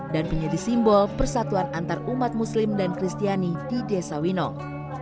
dan menjadi simbol persatuan antar umat muslim dan kristiani di desa winong